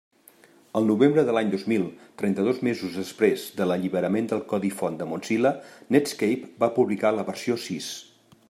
El novembre de l'any dos mil, trenta-dos mesos després de l'alliberament del codi font de Mozilla, Netscape va publicar la versió sis.